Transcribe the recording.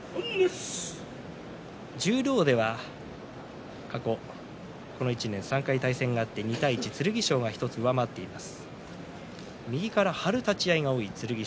十両では過去３回対戦があって２対１、剣翔が１つ上回っています。